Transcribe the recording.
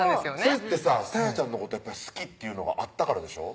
それってさ沙也ちゃんのこと好きっていうのがあったからでしょ？